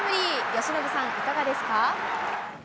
由伸さん、いかがですか？